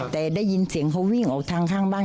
แต่ได้ยินเสียงเขาวิ่งออกทางข้างบ้าน